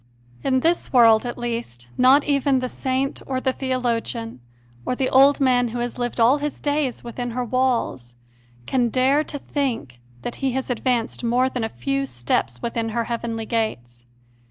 In this world, at least, not even the saint or the theologian, or the old man who has lived all his days within her walls, can dare to think that he has advanced more than a few steps within her heavenly gates.